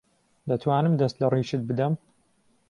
دەتوانم دەست لە ڕیشت بدەم؟